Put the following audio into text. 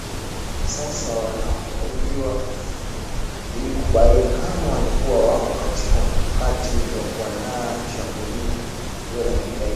sasa wanahojiwa ilikubaini kama walikuwa wako katika mkakati wa kuandaa shambulio la kigaidi